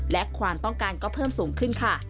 และความต้องการก็เพิ่มสูงขึ้นค่ะ